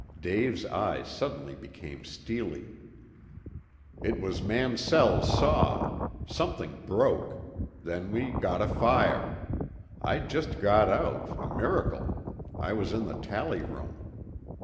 Dave's eyes suddenly became steely. "It was Mansell's saw. Something broke. Then we got afire. I just got out a miracle. I was in the tally room."